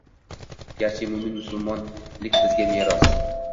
Garchi moʼmin-musulmonlik bizga meros